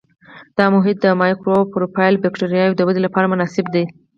دا محیط د مایکروآیروفیل بکټریاوو د ودې لپاره مناسب دی.